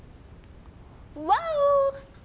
ワオ！